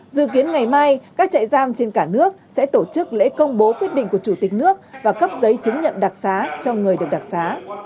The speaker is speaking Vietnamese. dự kiến ngày mai các trại giam trên cả nước sẽ tổ chức lễ công bố quyết định của chủ tịch nước và cấp giấy chứng nhận đặc xá cho người được đặc xá